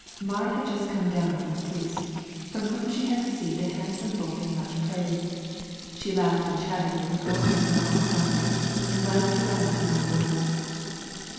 Marit had just come down from the priest, from whom she had received a handsome book and much praise; she laughed and chatted with her girl friends on all sides and glanced around among the boys.